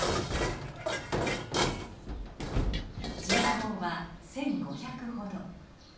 人口は１，５００ほど。